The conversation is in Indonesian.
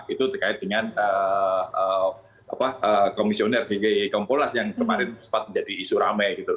itu terkait dengan komisioner di kompolnas yang kemarin sempat menjadi isu rame gitu